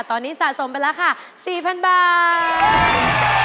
ตอนนี้สะสมไปแล้วค่ะ๔๐๐๐บาท